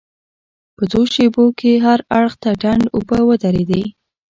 په څو شېبو کې هر اړخ ته ډنډ اوبه ودرېدې.